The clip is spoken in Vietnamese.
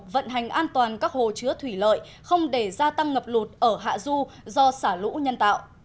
vận hành an toàn các hồ chứa thủy lợi không để gia tăng ngập lụt ở hạ du do xả lũ nhân tạo